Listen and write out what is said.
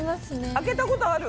開けたことある？